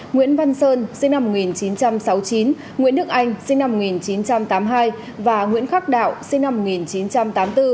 nguyễn văn sơn sinh năm một nghìn chín trăm sáu mươi chín nguyễn đức anh sinh năm một nghìn chín trăm tám mươi hai và nguyễn khắc đạo sinh năm một nghìn chín trăm tám mươi bốn